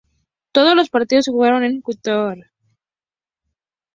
Todos los partidos se jugaron en Qatar.